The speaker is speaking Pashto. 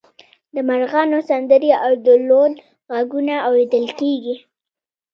د مرغانو سندرې او د لوون غږونه اوریدل کیږي